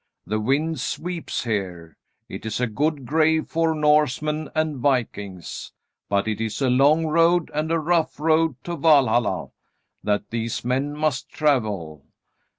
The wind sweeps here. It is a good grave for Norsemen and Vikings. But it is a long road and a rough road to Valhalla that these men must travel.